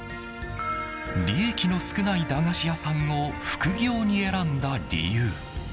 利益の少ない駄菓子屋さんを副業に選んだ理由。